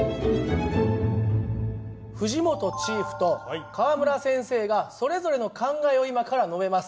藤本チーフと川村先生がそれぞれの考えを今から述べます。